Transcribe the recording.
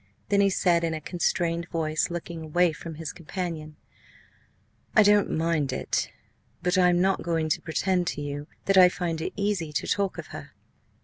Then he said in a constrained voice, looking away from his companion, "I don't mind it, but I am not going to pretend to you that I find it easy to talk of her."